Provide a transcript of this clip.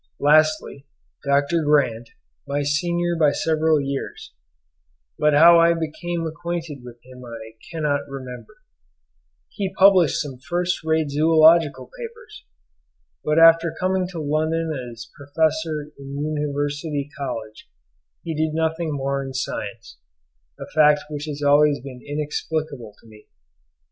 Lastly, Dr. Grant, my senior by several years, but how I became acquainted with him I cannot remember; he published some first rate zoological papers, but after coming to London as Professor in University College, he did nothing more in science, a fact which has always been inexplicable to me.